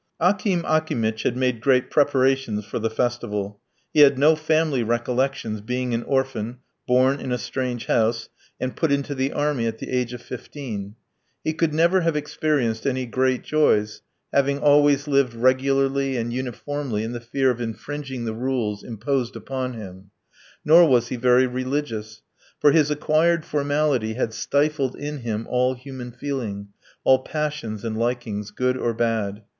Akim Akimitch had made great preparations for the festival. He had no family recollections, being an orphan, born in a strange house, and put into the army at the age of fifteen. He could never have experienced any great joys, having always lived regularly and uniformly in the fear of infringing the rules imposed upon him, nor was he very religious; for his acquired formality had stifled in him all human feeling, all passions and likings, good or bad.